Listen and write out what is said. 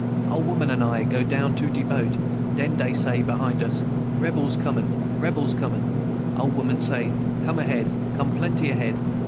"Ole woman and I go down to de boat; den dey say behind us, 'Rebels comin'l Rebels comin'!' Ole woman say, 'Come ahead, come plenty ahead!'